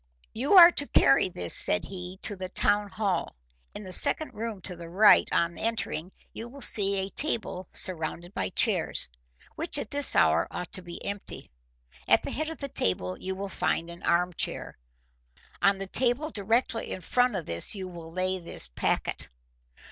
"You are to carry this," said he, "to the town hall. In the second room to the right on entering you will see a table surrounded by chairs, which at this hour ought to be empty. At the head of the table you will find an arm chair. On the table directly in front of this you will lay this packet.